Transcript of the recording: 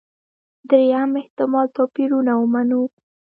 درېیم احتمال توپيرونه ومنو.